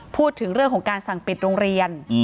พูดถึงเรื่องของการสั่งปิดโรงเรียน